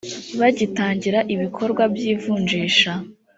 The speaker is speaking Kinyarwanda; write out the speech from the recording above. bagitangira ibikorwa by ivunjisha